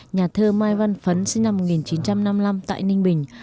nhà thơ mai văn phấn sinh năm một nghìn chín trăm năm mươi năm tại ninh bình